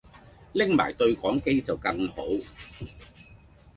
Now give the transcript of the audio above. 拎埋對講機就更好